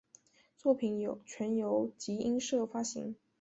作品全由集英社发行。